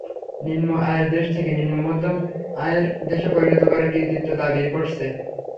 নিম্ন আয়ের দেশ থেকে নিম্নমধ্যম আয়ের দেশে পরিণত করার কৃতিত্ব দাবি করছে।